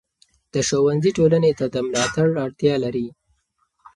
د ښوونځي ټولنې ته د ملاتړ اړتیا لري.